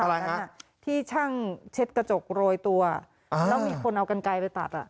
อะไรฮะที่ช่างเช็ดกระจกโรยตัวอ่าแล้วมีคนเอากันไกลไปตัดอ่ะ